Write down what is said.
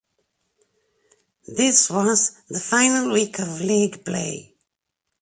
This was the final week of league play.